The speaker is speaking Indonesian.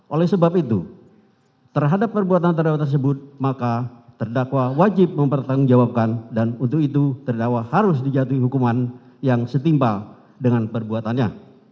oleh sebab itu terhadap perbuatan terdakwa tersebut maka terdakwa wajib mempertanggungjawabkan dan untuk itu terdakwa harus dijatuhi hukuman yang setimpal dengan perbuatannya